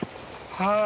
はい。